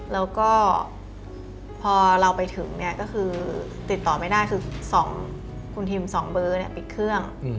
แล้วก็พอเราไปถึงเนี่ยก็คือติดต่อไม่ได้คือคุณทิม๒เบอร์ปิดเครื่อง